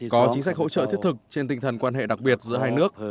có chính sách hỗ trợ thiết thực trên tinh thần quan hệ đặc biệt giữa hai nước